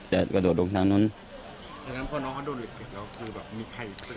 แต่กระโดดลงทางนั้นฉะนั้นพอน้องเขาโดนเหล็กเสร็จแล้วคือแบบมีใคร